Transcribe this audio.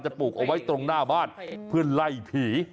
ปลูกเอาไว้ตรงหน้าบ้านเพื่อไล่ผี